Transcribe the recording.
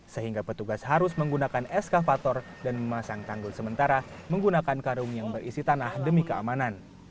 sehingga petugas harus menggunakan eskavator dan memasang tanggul sementara menggunakan karung yang berisi tanah demi keamanan